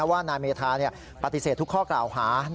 ว่านายเมธาปฏิเสธทุกข้อกล่าวหา